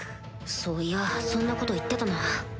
そういやそんなこと言ってたな